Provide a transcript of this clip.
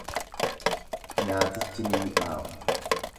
Nyaatichi ni mi'aawa.